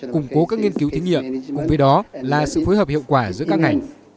củng cố các nghiên cứu thí nghiệm cùng với đó là sự phối hợp hiệu quả giữa các ngành